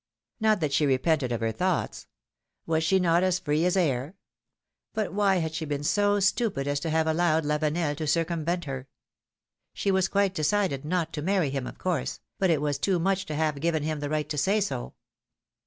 Not that she repented of her thoughts. AVas she not as free as air? But why had she been so stupid as to have allowed Lavenel to circumvent her? She was quite decided not to marry him, of course, but it was too much to have given him the right to say so.